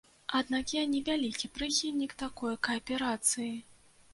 Аднак я не вялікі прыхільнік такой кааперацыі.